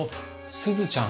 すずちゃん？